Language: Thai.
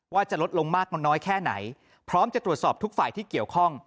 ว่าจะลดลงมากน้อยแค่ไหนพร้อมจะตรวจสอบทุกฝ่ายที่เกี่ยวข้อง